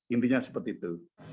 intinya seperti itu